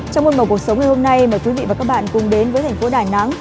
trong môn màu cuộc sống ngày hôm nay mời quý vị và các bạn cùng đến với thành phố đài nắng